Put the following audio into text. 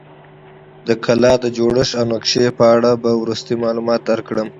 د کلا د جوړښت او نقشې په اړه به وروسته معلومات درکړم.